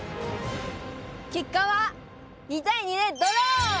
けっかは２対２でドロー！